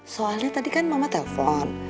soalnya tadi kan mama telpon